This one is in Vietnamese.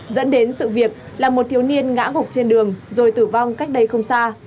dẫn đến sự việc là một thiếu niên ngã gục trên đường rồi tử vong cách đây không xa